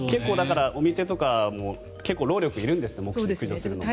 お店とかも結構、労力いるんですね目視は。